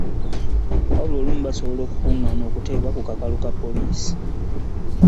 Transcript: Wabula olumu basobola okukugaana okuteebwa ku kakalu ka poliisi.